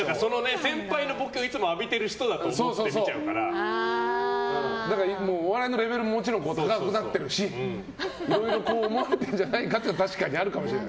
先輩のボケをいつも浴びてる人だと思ってお笑いのレベルももちろん高くなってるしいろいろ思われてるんじゃないかっていうのは確かにあるかも。